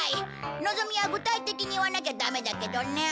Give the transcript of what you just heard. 望みは具体的に言わなきゃダメだけどね。